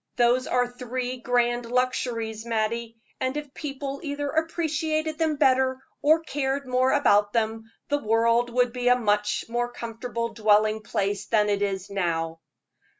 Those are three grand luxuries, Mattie, and if people either appreciated them better, or cared more about them, the world would be a much more comfortable dwelling place than it is now."